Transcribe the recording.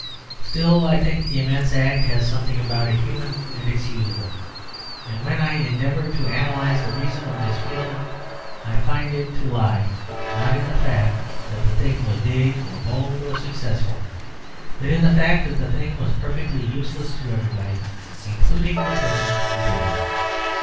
Still, I think the immense act has something about it human and excusable; and when I endeavour to analyse the reason of this feeling I find it to lie, not in the fact that the thing was big or bold or successful, but in the fact that the thing was perfectly useless to everybody, including the person who did it.